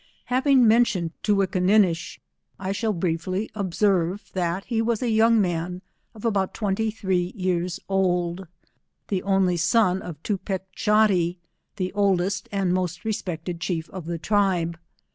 Having mentioned Toowinnakinnish, I shall briefly observe, that he was a young man of about twenty three years old, the only son of Toopee shottee, the oldest and most respected chief of the tribe.